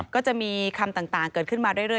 ก็จะมีคำต่างเกิดขึ้นมาเรื่อย